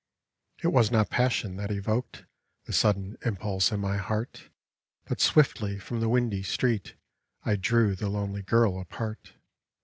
It was not passion that evoked The sudden impulse in my heart; But swiftly from the windy street I drew the lonely girl apart.